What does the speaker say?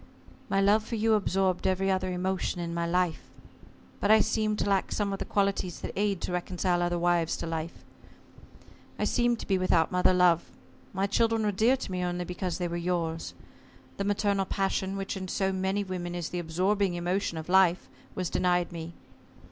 "My love for you absorbed every other emotion of my life. But I seemed to lack some of the qualities that aid to reconcile other wives to life. I seemed to be without mother love. My children were dear to me only because they were yours. The maternal passion, which in so many women is the absorbing emotion of life, was denied me.